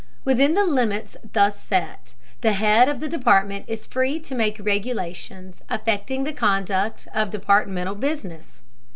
Within the limits thus set, the head of the department is free to make regulations affecting the conduct of departmental business.